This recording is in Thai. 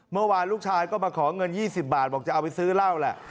เมื่อวานลูกชายก็มาขอเงิน๒๐บาทบอกจะเอาไปซื้อเหล้าแหละ